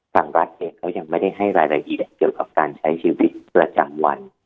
ทางรัฐเองเขายังไม่ได้ให้รายละเอียดเกี่ยวกับการใช้ชีวิตประจำวัน